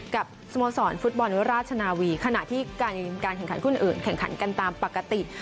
กับสโมสรฟุตบอลราชนาวีขณะที่การแข่งขันคู่อื่นแข่งขันกันตามปกติ